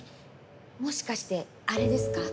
もしかしてあれですか？